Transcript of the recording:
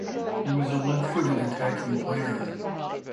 He was a left-footed attacking player.